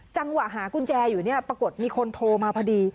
จังหวะหากุญแจอยู่เนี่ยปรากฏมีคนโทรมาพอดี